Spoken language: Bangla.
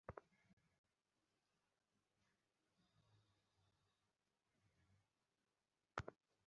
এতবড়ো ধনীর কাছে যা অনায়াসে প্রত্যাশা করতে পারত তাও ওর পক্ষে দুরাশা।